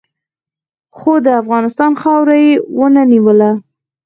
خو د افغانستان خاوره یې و نه نیوله.